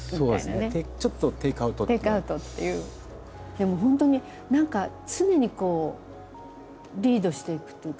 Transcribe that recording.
でも本当に何か常にこうリードしていくっていうか。